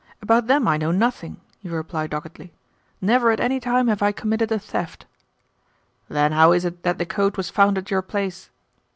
'' 'About them I know nothing,' you reply doggedly. 'Never at any time have I committed a theft.' 'Then how is it that the coat was found at your place?